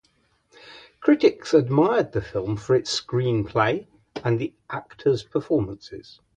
Critics admired the film for its screenplay and the actors' performances.